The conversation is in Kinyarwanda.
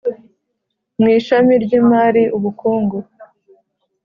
mw ishami ry Imari Ubukungu